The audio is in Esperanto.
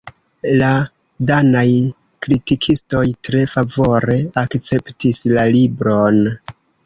La danaj kritikistoj tre favore akceptis la libron.